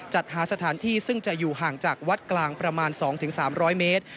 จัดหาสถานที่ซึ่งจะอยู่ห่างจากวัดกลางประมาณ๒๓๐๐เมตร